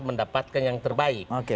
mendapatkan yang terbaik